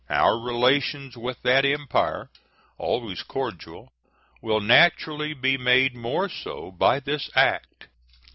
Our relations with that Empire, always cordial, will naturally be made more so by this act.